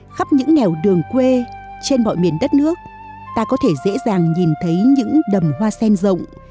khắp những nẻo đường quê trên mọi miền đất nước ta có thể dễ dàng nhìn thấy những đầm hoa sen rộng